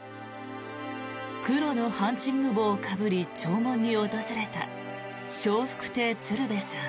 黒のハンチング帽をかぶり弔問に訪れた笑福亭鶴瓶さん。